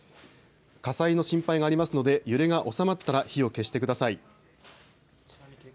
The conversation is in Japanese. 火災の心配がありますので揺れが収まったら火を消してください。